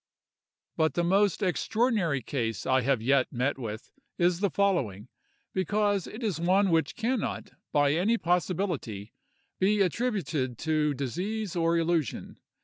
But the most extraordinary case I have yet met with is the following; because it is one which can not, by any possibility, be attributed to disease or illusion.